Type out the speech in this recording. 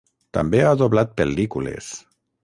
També ha doblat pel·lícules.